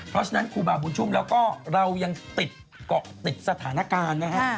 เพราะฉะนั้นครูบาบุญชุมเรายังติดสถานการณ์นะฮะ